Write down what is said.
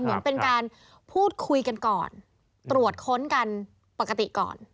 เหมือนเป็นการพูดคุยกันก่อนตรวจค้นกันปกติก่อน